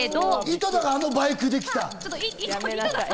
井戸田があのバイクで来た。